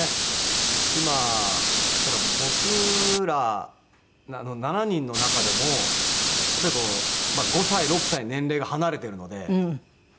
今だから僕ら７人の中でもやっぱりこう５歳６歳年齢が離れてるので。